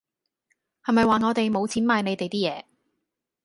係咪話我地無錢買你地 d 野